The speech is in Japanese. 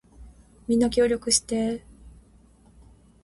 みんな協力してー